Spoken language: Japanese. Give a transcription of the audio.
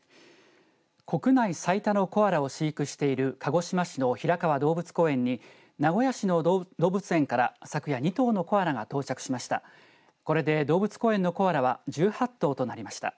国内最多のコアラを飼育している鹿児島市の平川動物公園に名古屋市の動物園から昨夜２頭のコアラが到着しました。